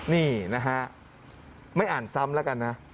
นี่นะฮะไม่อ่านซ้ำแล้วกันนะ